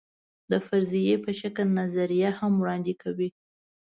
د فرضیې په شکل نظریه هم وړاندې کوي.